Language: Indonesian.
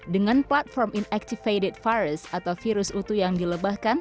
dengan platform inactivated virus atau virus utuh yang dilebahkan